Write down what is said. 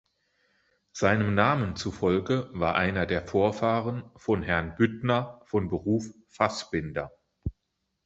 Seinem Namen zufolge war einer der Vorfahren von Herrn Büttner von Beruf Fassbinder.